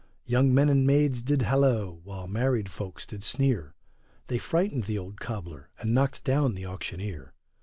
Young men and maids did halloa, while married folks did sneer, They frightened the old cobler and knocked down the auctioneer.